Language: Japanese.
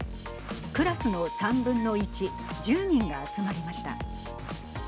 クラスの３分の１１０人が集まりました。